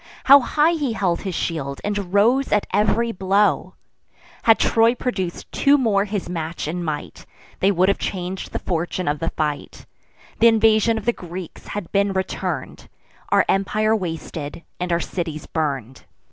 How high he held his shield, and rose at ev'ry blow! Had Troy produc'd two more his match in might, They would have chang'd the fortune of the fight: Th' invasion of the Greeks had been return'd, Our empire wasted, and our cities burn'd.